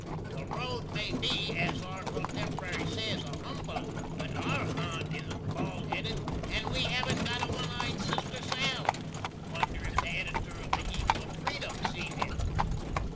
"The road may be, as our cotemporary says, a humbug; but OUR aunt isn't bald heded, and WE haven't got a one eyed sister Sal! Wonder if the Editor of the "Eagle of Freedom" sees it?"